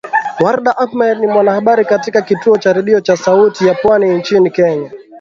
Warda Ahmed ni mwanahabari katika kituo cha redio cha Sauti ya Pwani nchini Kenya